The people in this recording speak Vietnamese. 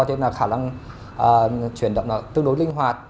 thế nên là khả năng chuyển động tương đối linh hoạt